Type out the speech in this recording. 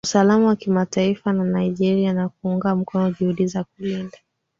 usalama wa kimataifa ya Nigeria na kuunga mkono juhudi za kulinda